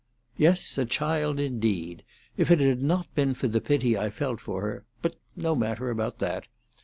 "Yes, a child indeed. If it had not been for the pity I felt for her—But no matter about that.